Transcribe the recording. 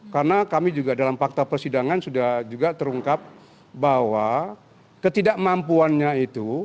karena kami juga dalam fakta persidangan sudah juga terungkap bahwa ketidakmampuannya itu